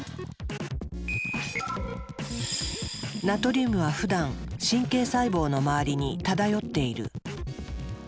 ナトリウムはふだん神経細胞の周りに漂っている。